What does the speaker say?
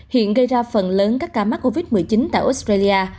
hiện gây ra phần lớn các ca mắc covid một mươi chín tại australia